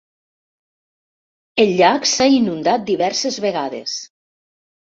El llac s'ha inundat diverses vegades.